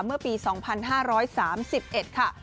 เมื่อปี๒๕๓๑ค่ะ